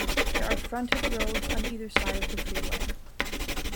There are frontage roads on either side of the freeway.